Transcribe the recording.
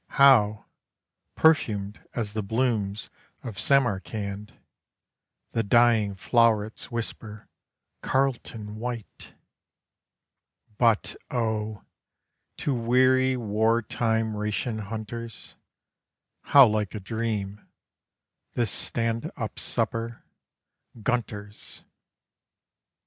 How perfumed as the blooms of Samarcand The dying flow'rets whisper, "Carlton White!" But, oh! to weary war time ration hunters, How like a dream, this stand up supper Gunter's!